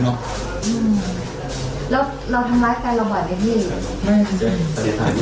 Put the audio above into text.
เห็นกันเหรอ